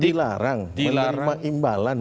dilarang menerima imbalan